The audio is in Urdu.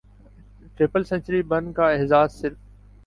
ٹرپل سنچری بن کا اعزاز صرف